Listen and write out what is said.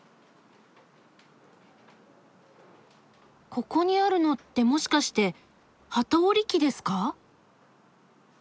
ここにあるのってもしかして機織り機ですか？